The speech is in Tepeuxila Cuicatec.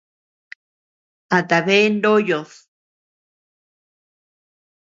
¿A tabea ndoyod?